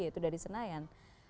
itu dari senayan